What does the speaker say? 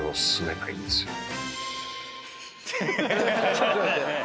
ちょっと待って。